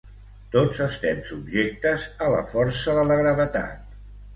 Tots estem subjectes a la força de la gravetat